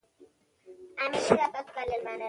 ما به دا پوښتنه له شاهانو کړې وي.